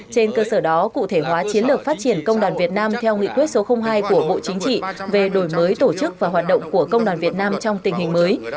trên cơ sở đó cụ thể hóa chiến lược phát triển công đoàn việt nam theo nghị quyết số hai của bộ chính trị về đổi mới tổ chức và hoạt động của công đoàn việt nam trong tình hình mới